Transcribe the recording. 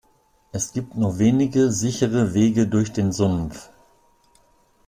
Es gibt nur wenige sichere Wege durch den Sumpf.